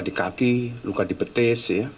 di kaki luka di petis